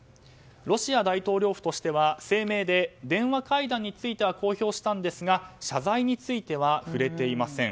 ロシア大統領府としては声明で電話会談については公表したんですが謝罪については触れていません。